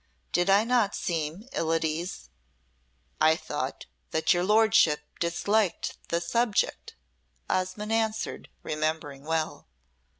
Did I not seem ill at ease?" "I thought that your lordship disliked the subject," Osmonde answered, remembering well.